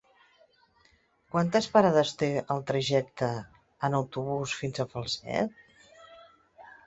Quantes parades té el trajecte en autobús fins a Falset?